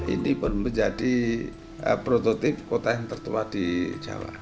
ini pun menjadi prototip kota yang tertua di jawa